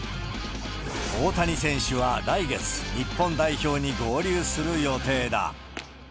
大谷選手は来月、日本代表に合流する予定だ。